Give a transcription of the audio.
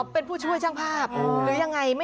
เป็นผู้ช่วยช่างภาพ